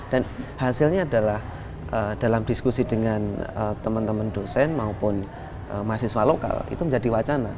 dan hasilnya adalah dalam diskusi dengan teman teman dosen maupun mahasiswa lokal itu menjadi wacana